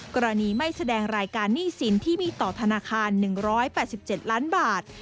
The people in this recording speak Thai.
กรณีไม่แสดงรายการหนี้สินที่มีต่อธนาคาร๑๘๗ล้านบาท